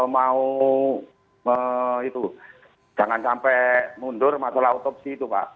mau itu jangan sampai mundur masalah otopsi itu pak